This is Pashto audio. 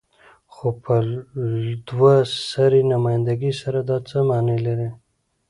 خو په دوه سري نمايندګۍ سره دا څه معنی لري؟